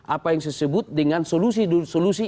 apa yang disebut dengan solusi solusi